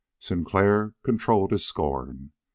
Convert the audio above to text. Sinclair controlled his scorn.